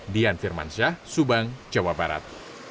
dian firmansyah subang jawa barat